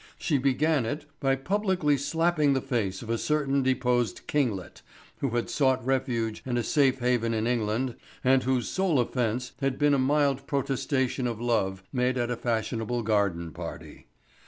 She began it by publicly slapping the face of a certain deposed kinglet who had sought refuge and a safe haven in England and whose sole offense had been a mild protestation of love made at a fashionable garden party.